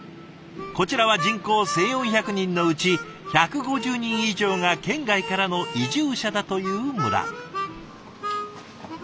こちらは人口１，４００人のうち１５０人以上が県外からの移住者だという村。